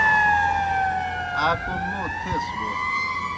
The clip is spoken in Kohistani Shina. آ کوْم موں تھیس بوْ